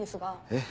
えっ？